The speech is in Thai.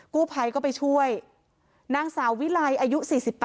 กู้ภัยก็ไปช่วยนางสาววิไลอายุ๔๘